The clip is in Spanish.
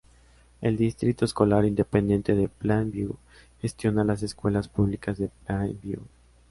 El Distrito Escolar Independiente de Plainview gestiona las escuelas públicas de Plainview.